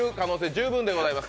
十分でございます。